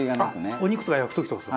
お肉とか焼く時とかですか？